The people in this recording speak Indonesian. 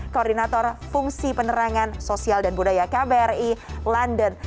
koordinator fungsi penerangan sosial dan budaya kbri london